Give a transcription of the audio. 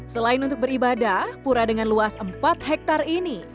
selain untuk beribadah pura dengan luas empat hektare ini